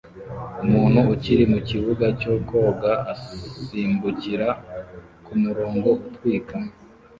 Umuntu uri mukibuga cyo koga asimbukira kumurongo utwika